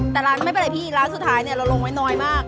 แต่ร้านไม่เป็นไรพี่ร้านสุดท้ายเนี่ยเราลงไว้น้อยมาก